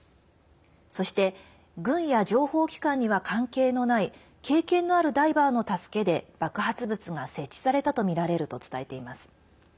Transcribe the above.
そして軍や情報機関には関係のない経験のあるダイバーの助けで爆発物が設置されたとみられると伝えています。